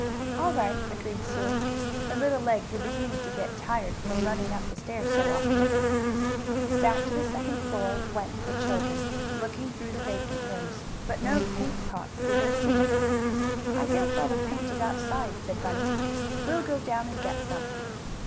"All right," agreed Sue. Her little legs were beginning to get tired from running up the stairs so often. Back up to the second floor went the children, looking through the vacant rooms. But no paint pots did they see. "I guess all the paint is outside," said Bunny. "We'll go down and get some."